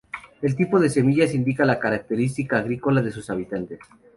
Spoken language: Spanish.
El tipo de semillas indica la característica agrícola de sus habitantes.